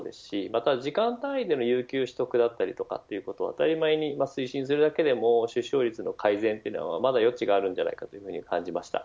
また時間単位での有給の取得だったりということを当たり前に推進するだけでも、出生率の改善は余地があると思います。